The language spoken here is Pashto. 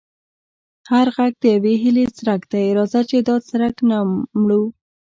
هر غږ د یوې هیلې څرک دی، راځه چې دا څرک نه مړوو.